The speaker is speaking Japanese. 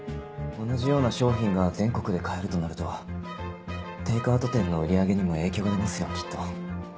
同じような商品が全国で買えるとなるとテイクアウト店の売り上げにも影響が出ますよきっと。